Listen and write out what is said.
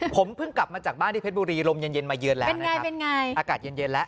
ผมเพิ่งกลับมาจากบ้านที่เพชรบุรีลมเย็นเย็นมาเยือนแล้วนะครับอากาศเย็นเย็นแล้ว